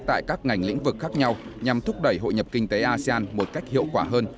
tại các ngành lĩnh vực khác nhau nhằm thúc đẩy hội nhập kinh tế asean một cách hiệu quả hơn